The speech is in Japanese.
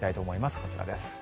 こちらです。